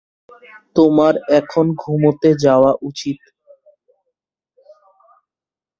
তার একটি ছেলে রয়েছে, যার নাম ঈশান।